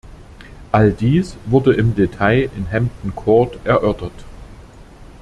All dies wurde im Detail in Hampton Court erörtert.